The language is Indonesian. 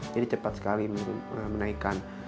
jadi cepat sekali menaikkan